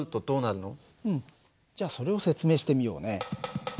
じゃあそれを説明してみようね。